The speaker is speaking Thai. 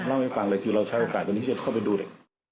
เล่าให้ฟังเลยคือเราใช้โอกาสตรงนี้ที่จะเข้าไปดูเด็ก